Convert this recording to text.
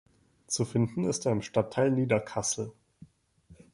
Zu finden ist er im Stadtteil Niederkassel.